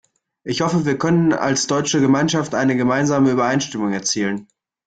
Ich hoffe, wir können als deutsche Gemeinschaft eine gemeinsame Übereinstimmung erzielen.